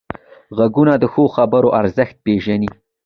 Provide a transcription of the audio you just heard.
غوږونه د ښو خبرو ارزښت پېژني